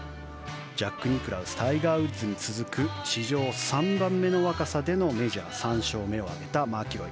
ジャック・ニクラウスタイガー・ウッズに続く史上３番目の若さでのメジャー３勝目を挙げたマキロイ。